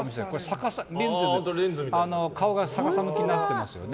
逆さレンズ顔が逆さ向きになってますよね。